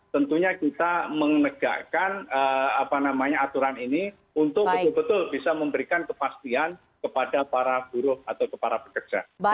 tentunya kita menegakkan aturan ini untuk betul betul bisa memberikan kepastian kepada para buruh atau para pekerja